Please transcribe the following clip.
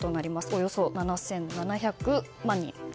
およそ７７００万人。